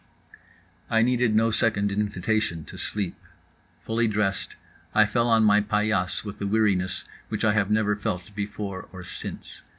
I needed no second invitation to sleep. Fully dressed, I fell on my paillasse with a weariness which I have never felt before or since.